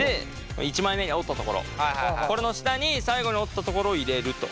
１枚目に折った所これの下に最後に折った所を入れると。